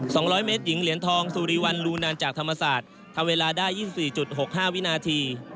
ร้อยเมตรหญิงเหรียญทองสุริวัลลูนานจากธรรมศาสตร์ทำเวลาได้ยี่สิบสี่จุดหกห้าวินาที